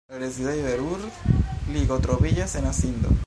La rezidejo de la Ruhr-Ligo troviĝas en Asindo.